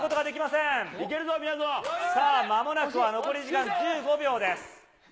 さあ、まもなくは残り時間１５秒です。